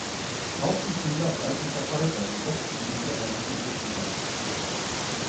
Auch die Fühler weiblicher Falter sind oft wie die der Männchen gefiedert.